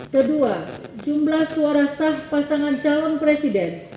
kedua jumlah suara sah pasangan calon presiden